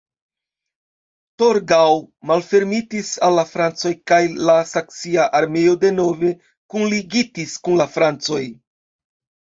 Torgau malfermitis al la francoj kaj la saksia armeo denove kunligitis kun la francoj.